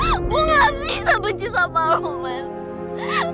aku gak bisa benci sama lo man